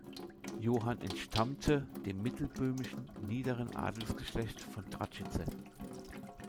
Johann entstammte dem mittelböhmischen niederen Adelsgeschlecht von Dražice.